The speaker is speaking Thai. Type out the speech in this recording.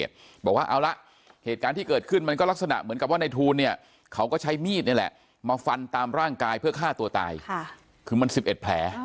ชาวบ้านหลายคนที่คุณภิกษาได้ไปคุยด้วยนะเขาก็เหมือนกับตั้งข้อสังเกต